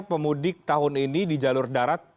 pemudik tahun ini di jalur darat